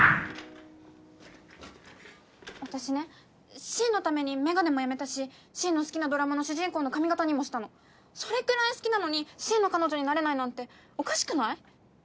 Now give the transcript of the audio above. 私ね深のために眼鏡もやめたし深の好きなドラマの主人公の髪形にもしたのそれくらい好きなのに深の彼女になれないなんておかしくない？